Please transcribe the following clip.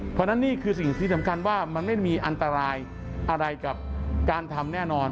เพราะฉะนั้นนี่คือสิ่งที่สำคัญว่ามันไม่มีอันตรายอะไรกับการทำแน่นอน